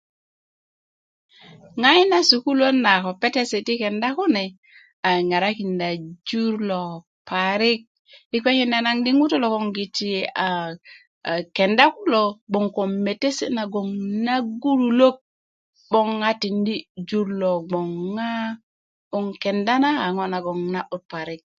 ŋayi na sukuluöt na ko petesi ti kenda kune a ŋarakinda jur lo parik ikpekinda naŋ di ŋutu logon a kenda kulo bgwoŋ ko metesi nagon na gululok 'böŋ tindi jur lo bgwoŋ ŋa 'böŋ kenda na a ŋo na'but parik